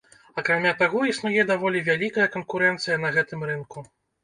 Акрамя таго існуе даволі вялікая канкурэнцыя на гэтым рынку.